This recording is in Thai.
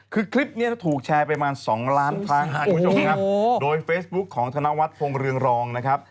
คือคลิปนี้ถูกแชร์ไปมา๒ล้านพลาดคุณผู้ชมครับโดยเฟซบุ๊กของธนวัตรภงเรืองรองนะครับ